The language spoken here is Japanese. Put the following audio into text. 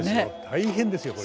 大変ですよこれ。